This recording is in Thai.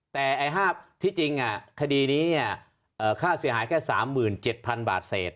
แต่ภาพที่จริงคดีนี้ค่าเสียหายแค่๓๗๐๐๐บาทเศษ